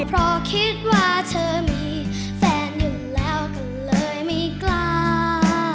เพราะคิดว่าเธอมีแฟนหนึ่งแล้วก็เลยไม่กล้า